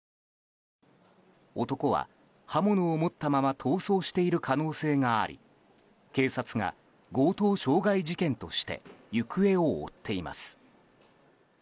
男は刃物を持ったまま逃走している可能性があり警察が強盗傷害事件として行方を追っています。